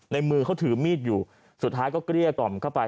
มือเขาถือมีดอยู่สุดท้ายก็เกลี้ยกล่อมเข้าไป